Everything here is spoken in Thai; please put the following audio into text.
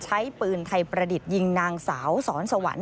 ใช้ปืนไทยประดิษฐ์ยิงนางสาวสอนสวรรค์